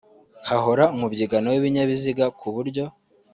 hahora umubyigano w’ibinyabiziga ku buryo